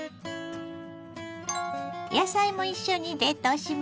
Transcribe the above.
野菜も一緒に冷凍しましょ。